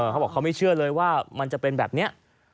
เขาบอกเขาไม่เชื่อเลยว่ามันจะเป็นแบบนี้